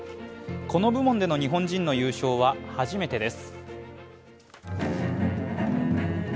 この部門での日本人の優勝は初めてです。